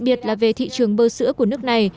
và về thị trường bơ sữa của nước này